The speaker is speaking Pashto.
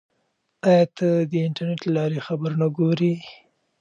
آیا ته د انټرنیټ له لارې خبرونه ګورې؟